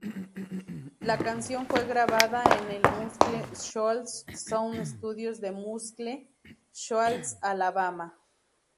La canción fue grabada en el Muscle Shoals Sound Studios de Muscle Shoals, Alabama.